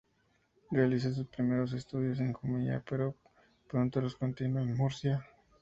Realiza sus primeros estudios en Jumilla pero pronto los continúa en Murcia.